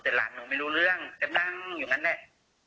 แต่หลานหนูไม่รู้เรื่องแกนั่งอยู่นั่นแหละ